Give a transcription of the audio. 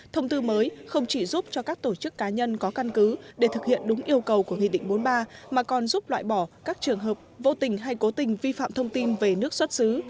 thông tư mới không chỉ giúp cho các tổ chức cá nhân có căn cứ để thực hiện đúng yêu cầu của nghị định bốn mươi ba mà còn giúp loại bỏ các trường hợp vô tình hay cố tình vi phạm thông tin về nước xuất xứ